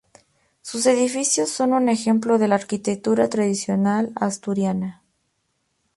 Sus edificios son un ejemplo de la arquitectura tradicional asturiana.